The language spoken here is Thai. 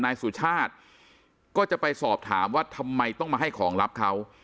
นายสุชาติก็จะไปสอบถามว่าทำไมต้องมาให้ของลับเขา